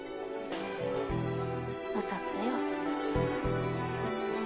わかったよ。